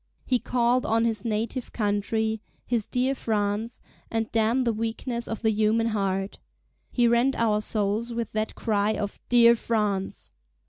He called on his native country—his dear France, and damn the weakness of the human heart! he rent our souls with that cry of "Dear France."